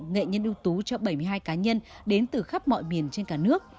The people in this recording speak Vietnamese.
nghệ nhân ưu tú cho bảy mươi hai cá nhân đến từ khắp mọi miền trên cả nước